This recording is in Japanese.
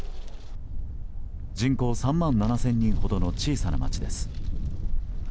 人口３万７０００人ほどの小さな町です。